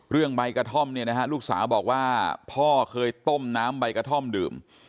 ใบกระท่อมเนี่ยนะฮะลูกสาวบอกว่าพ่อเคยต้มน้ำใบกระท่อมดื่ม